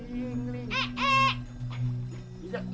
ini kalau sudah jadi